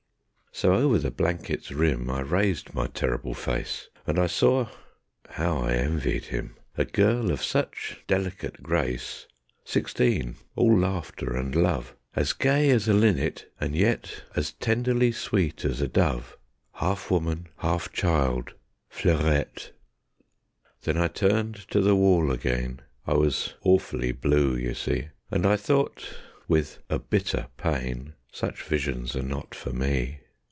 So over the blanket's rim I raised my terrible face, And I saw how I envied him! A girl of such delicate grace; Sixteen, all laughter and love; As gay as a linnet, and yet As tenderly sweet as a dove; Half woman, half child Fleurette. Then I turned to the wall again. (I was awfully blue, you see), And I thought with a bitter pain: "Such visions are not for me."